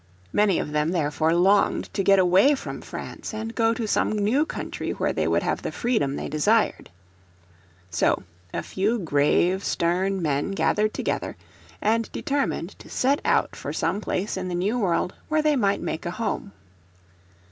Many of them therefore longed to get away from France, and go to some new country where they would have the freedom they desired. So a few grave, stern men gathered together and determined to set out for some place in the New World where they might make a home.